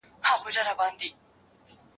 زه اوږده وخت د سبا لپاره د ليکلو تمرين کوم!؟